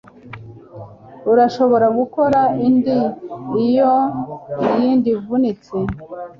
Urashobora gukora indi iyo iyi ivunitse